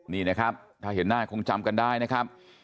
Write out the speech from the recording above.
นี่นะครับถ้าเห็นหน้าคงจำกันได้นะครับ